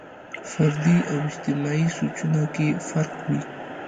فردي او اجتماعي سوچ کې فرق وي.